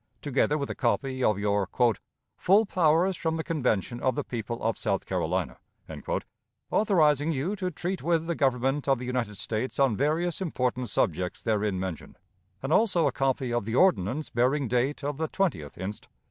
together with a copy of your "full powers from the Convention of the People of South Carolina," authorizing you to treat with the Government of the United States on various important subjects therein mentioned, and also a copy of the ordinance bearing date on the 20th inst.